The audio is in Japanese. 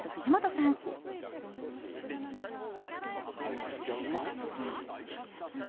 めっちゃうまい。